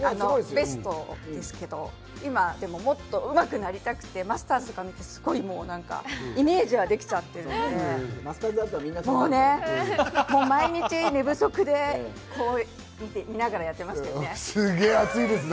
ベストですけど、もっとうまくなりたくて、マスターズとか見てイメージはできちゃってるので毎日、寝不足で、見ながらやってます。